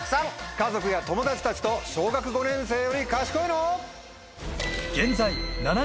家族や友達たちと小学５年生より賢いの？